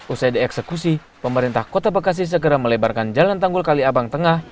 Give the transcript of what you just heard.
usai dieksekusi pemerintah kota bekasi segera melebarkan jalan tanggul kaliabang tengah